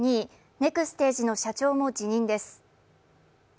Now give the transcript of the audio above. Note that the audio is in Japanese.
ネクステージの社長も辞任です。